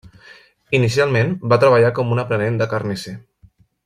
Inicialment va treballar com a aprenent de carnisser.